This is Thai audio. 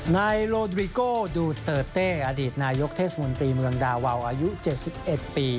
นายโลดริโก้ดูเตอร์เต้อดีตนายกเทศมนตรีเมืองดาวาวอายุ๗๑ปี